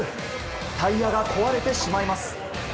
タイヤが壊れてしまいます。